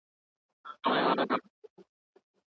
موږ ستاسو لپاره نور سهولتونه هم راوړو.